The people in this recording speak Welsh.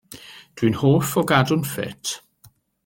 Dw i'n hoff o gadw'n ffit.